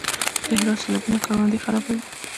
د هرات سیلابونه کروندې خرابوي؟